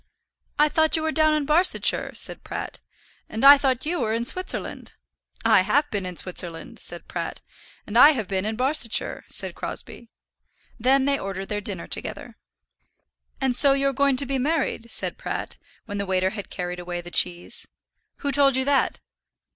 "I thought you were down in Barsetshire," said Pratt. "And I thought you were in Switzerland." "I have been in Switzerland," said Pratt. "And I have been in Barsetshire," said Crosbie. Then they ordered their dinner together. "And so you're going to be married?" said Pratt, when the waiter had carried away the cheese. "Who told you that?"